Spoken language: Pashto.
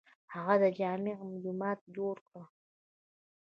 هغه د جامع جومات جوړ کړ.